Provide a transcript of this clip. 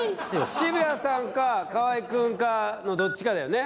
渋谷さんか河合君かのどっちかだよね